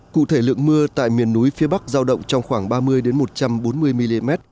cụ thể lượng mưa tại miền núi phía bắc giao động trong khoảng ba mươi một trăm bốn mươi mm